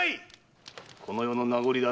この世の名残だ。